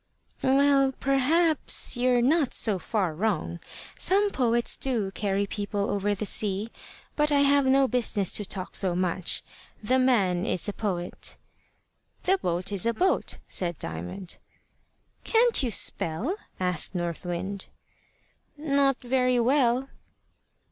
"Well, perhaps you're not so far wrong. Some poets do carry people over the sea. But I have no business to talk so much. The man is a poet." "The boat is a boat," said Diamond. "Can't you spell?" asked North Wind. "Not very well."